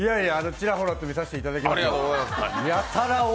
ちらほらと見させていただきます